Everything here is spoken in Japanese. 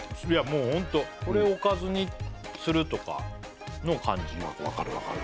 もうホントこれおかずにするとかの感じわかるわかる